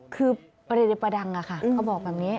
คือประเด็นประดังอะค่ะเขาบอกแบบนี้